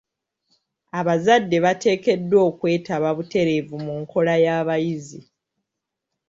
Abazadde bateekeddwa okwetaba butereevu mu nkola y'abayizi.